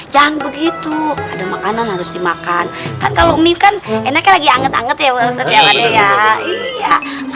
jangan begitu ada makanan harus dimakan kan kalau minggu kan enak lagi anget anget ya